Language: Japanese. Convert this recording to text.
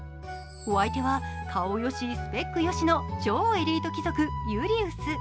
お相手は、顔よし、スペックよしの超エリート貴族、ユリウス。